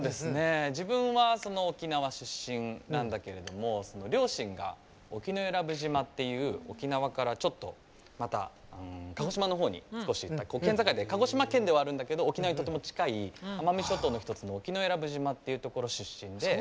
自分は沖縄出身なんだけども両親が沖永良部島っていう沖縄から、ちょっとまた鹿児島のほうに少しいった県境の鹿児島県ではあるんだけど沖縄にとっても近い奄美諸島に近い沖永良部島っていうところ出身で。